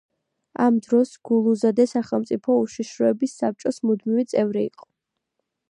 ამ დროს გულუზადე სახელმწიფო უშიშროების საბჭოს მუდმივი წევრი იყო.